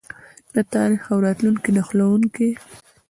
د تاریخ او راتلونکي نښلونکی.